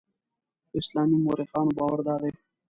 د اسلامي مورخانو باور دادی.